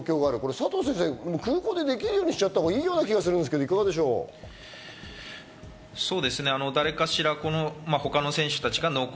佐藤先生、空港でできるようにしちゃったほうがいい気がするんですけど、いかがでしょう？